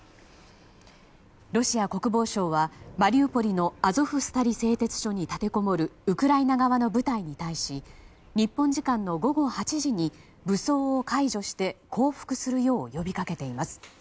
ロシア国防省は、マリウポリのアゾフスタリ製鉄所に立てこもるウクライナ側の部隊に対し日本時間の午後８時に武装を解除して降伏するよう呼びかけています。